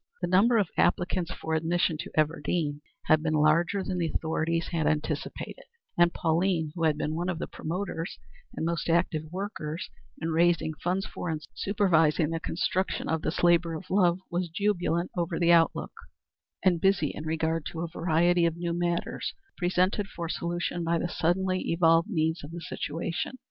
The number of applicants for admission to Everdean had been larger than the authorities had anticipated, and Pauline, who had been one of the promoters and most active workers in raising funds for and supervising the construction of this labor of love, was jubilant over the outlook, and busy in regard to a variety of new matters presented for solution by the suddenly evolved needs of the situation.